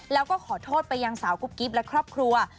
แล้วก็ขอโทษไปยังสาวกุ๊บกิ๊บและครอบครัว